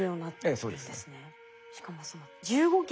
ええそうですね。